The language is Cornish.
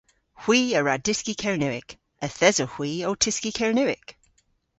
Hwi a wra dyski Kernewek. Yth esowgh hwi ow tyski Kernewek.